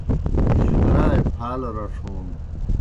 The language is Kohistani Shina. جُدرائے پھالہ رڇھون